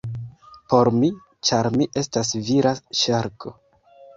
Por mi, ĉar mi estas vira ŝarko.